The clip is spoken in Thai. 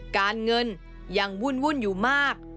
การเงินยังวุ่นอยู่มาก